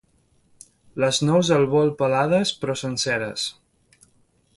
Les nous les vol pelades, però senceres.